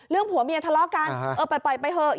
เรื่องผัวเมียทะเลาะกันเออไปไปเถอะ